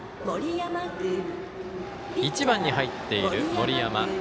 １番に入っている、森山。